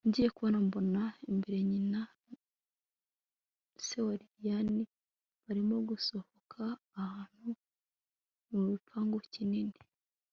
ngiye kubona mbona imbere nyina na se wa lilian barimo gusohoka ahantu mugipangu kinini